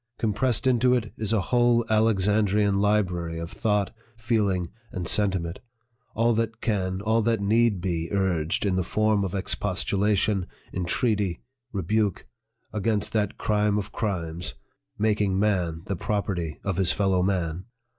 Compressed into it is a whole Alexandrian library of thought, feeling, and sen timent all that can, all that need be urged, in the form of expostulation, entreaty, rebuke, against that crime of crimes, making man the property of his fellow man